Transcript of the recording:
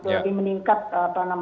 lebih meningkat ron nya gitu